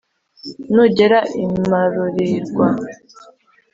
nugera i marorerwa,